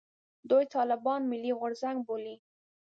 دوی طالبان «ملي غورځنګ» بولي.